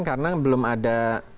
karena belum ada